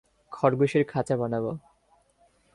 খরগোশের খাঁচা বানাব।